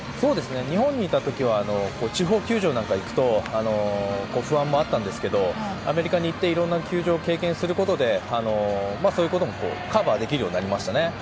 日本にいた時は地方球場なんかに行くと不安もあったんですがアメリカに行っていろいろな球場を経験することでそういうこともカバーできるようになりましたね。